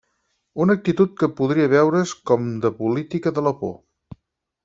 Una actitud que podria veure's com de política de la por.